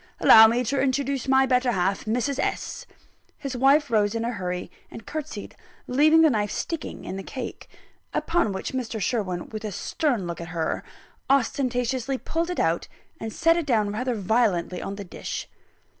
"Allow me to introduce my better half, Mrs. S." His wife rose in a hurry, and curtseyed, leaving the knife sticking in the cake; upon which Mr. Sherwin, with a stern look at her, ostentatiously pulled it out, and set it down rather violently on the dish.